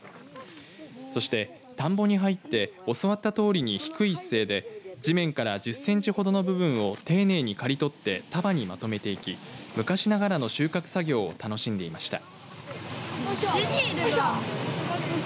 そして田んぼに入って教わったとおりに低い姿勢で地面から１０センチほどの部分を丁寧に刈り取って束にまとめていき昔ながらの収穫作業を楽しんでいました。